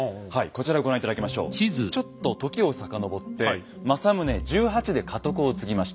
ちょっと時を遡って政宗１８で家督を継ぎました。